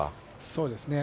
そうですね。